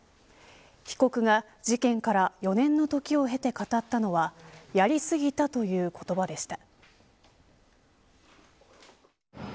被告が事件から４年のときを経て語ったのはやり過ぎたという言葉でした。